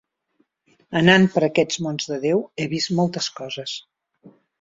Anant per aquests mons de Déu, he vist moltes coses.